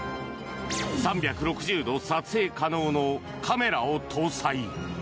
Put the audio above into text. ３６０度撮影可能のカメラを搭載。